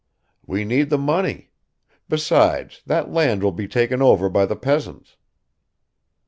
"We need the money; besides, that land will be taken over by the peasants."